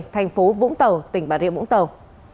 thành phố vũng tàu tỉnh bà rịa vũng tàu